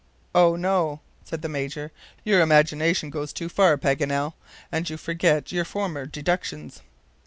"Oh, oh!" said the Major; "your imagination goes too far, Paganel; and you forget your former deductions."